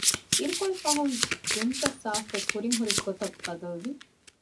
އިރުކޮޅެއްފަހުން ދުންތައް ސާފުވެ ކުރިން ހުރި ގޮތަށް ބަދަލުވި